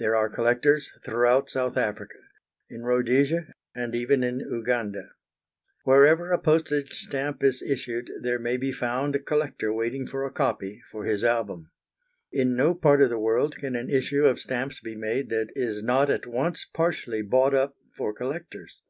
There are collectors throughout South Africa, in Rhodesia, and even in Uganda. Wherever a postage stamp is issued there may be found a collector waiting for a copy for his album. In no part of the world can an issue of stamps be made that is not at once partially bought up for collectors.